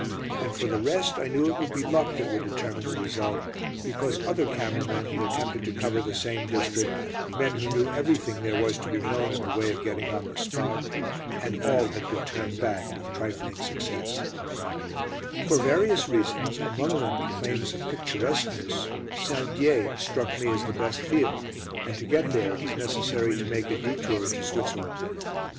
And for the rest I knew it would be luck that would determine the result, because other camera men had attempted to cover the same district, men who knew everything there was to be known in the way of getting on the spot, and all had been turned back with trifling success. [Illustration: HOW I CARRIED MY FILM IN THE EARLY DAYS OF THE WAR IN BELGIUM AND THE VOSGES MOUNTAINS] For various reasons, among them the claims of picturesqueness, St. Dié struck me as the best field, and to get there it is necessary to make a detour into Switzerland.